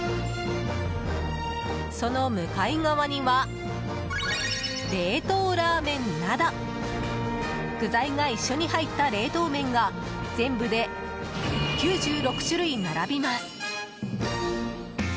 その向かい側には冷凍ラーメンなど具材が一緒に入った冷凍麺が全部で９６種類並びます。